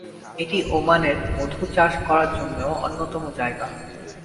এটি ওমানের মধু চাষ করার জন্যেও অন্যতম জায়গা।